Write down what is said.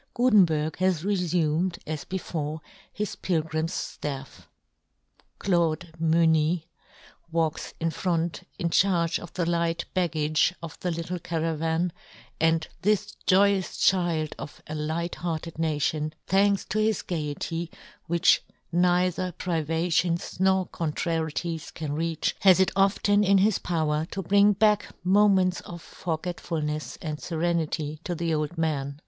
Gutenberg has refumed, as before, his pilgrim's ftafF. Claude Mufny w^alks in front in charge of the light baggage of the little caravan, and this joyous child of a light hearted nation, thanks to his gaiety, which neither privations nor contrarieties can reach, has it often in his power to bring back moments of forgetfulnefs and ferenity to the old man.